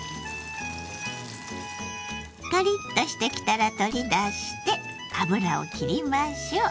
カリッとしてきたら取り出して油をきりましょう。